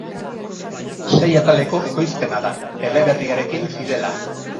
Sei ataleko ekoizpena da, eleberriarekin fidela.